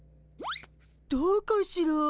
どうかしら？